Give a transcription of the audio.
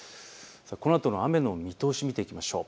このあとの雨の見通しを見ていきましょう。